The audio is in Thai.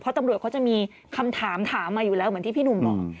ตำรวจเขาจะมีคำถามถามมาอยู่แล้วเหมือนที่พี่หนุ่มบอก